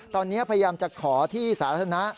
ตอนนี้พยายามจะขอที่สาธารณะ